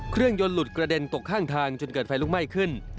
รถยนต์หลุดกระเด็นตกข้างทางจนเกิดไฟลุกไหม้ขึ้น